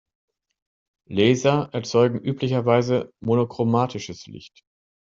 Laser erzeugen üblicherweise monochromatisches Licht.